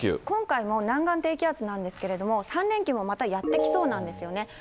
今回も南岸低気圧なんですけれども、３連休もまたやって来そうなんですよね。